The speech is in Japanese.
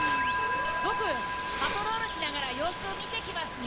ぼくパトロールしながらようすをみてきますね。